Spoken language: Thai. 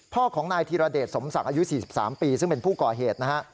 พ่อของนายธีรเดชสมศักดิ์อายุ๔๓ปีซึ่งเป็นผู้ก่อเหตุนะฮะ